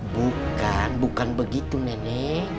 bukan bukan begitu nene